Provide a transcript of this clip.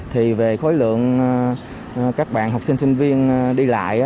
thì về khối lượng các bạn học sinh sinh viên đi lại